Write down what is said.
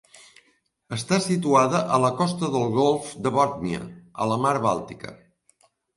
Està situada a la costa del golf de Bòtnia, a la mar Bàltica.